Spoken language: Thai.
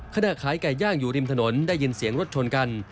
ขณะขายไก่ย่างอยู่ริมถนนได้ยินเสียงรถชนกัน